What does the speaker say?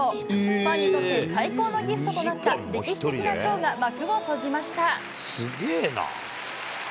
ファンにとって最高のギフトとなった歴史的なショーが幕を閉じました。